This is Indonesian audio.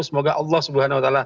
semoga allah swt